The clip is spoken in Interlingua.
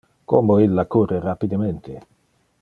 Como illa curre rapidemente!